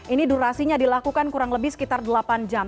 ini durasinya dilakukan kurang lebih sekitar delapan jam